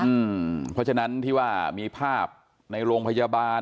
เพราะฉะนั้นที่ว่ามีภาพในโรงพยาบาล